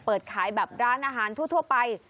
เปิดขายแบบร้านอาหารทั่วไป